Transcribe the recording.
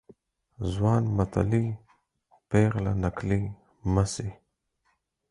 ځوان متلي ، پيغله نکلي مه سي.